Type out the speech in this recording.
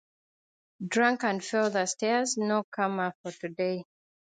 Drunk and fell down the stairs, no karma for today.